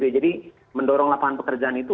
jadi mendorong lapangan pekerjaan itu